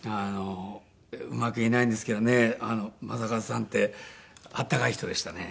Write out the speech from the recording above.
うまく言えないんですけどね正和さんってあったかい人でしたね。